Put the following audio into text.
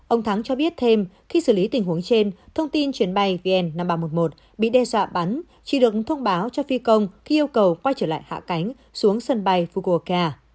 ông thắng cho biết thêm khi xử lý tình huống trên thông tin chuyến bay vn năm nghìn ba trăm một mươi một bị đe dọa bắn chỉ được thông báo cho phi công khi yêu cầu quay trở lại hạ cánh xuống sân bay fukokia